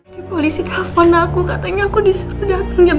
di polisi telpon aku katanya aku disuruh datang jam